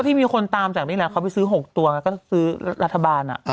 ที่มีคนตามจากนี่แหละเขาไปซื้อ๖ตัวแล้วก็ซื้อรัฐบาล